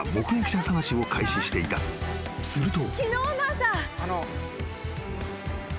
［すると］